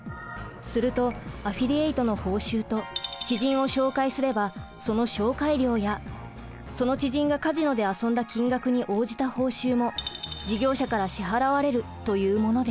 するとアフィリエイトの報酬と知人を紹介すればその紹介料やその知人がカジノで遊んだ金額に応じた報酬も事業者から支払われるというものです。